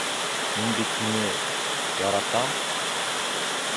Мин бит һине... яратам!